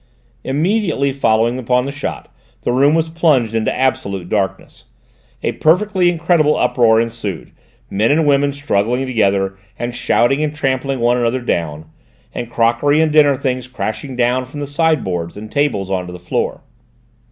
Immediately following upon the shot, the room was plunged into absolute darkness. A perfectly incredible uproar ensued, men and women struggling together and shouting and trampling one another down, and crockery and dinner things crashing down from the side boards and tables on to the floor.